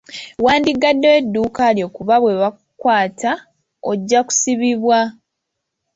Wandigaddewo edduuka lyo kuba bwe bakukwata ojja kusibibwa.